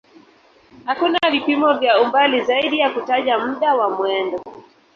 Hakuna vipimo vya umbali zaidi ya kutaja muda wa mwendo.